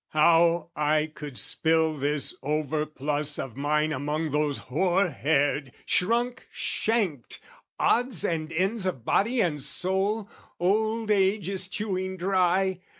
How I could spill this overplus of mine Among those hoar haired, shrunk shanked, odds and ends Of body and soul, old age is chewing dry!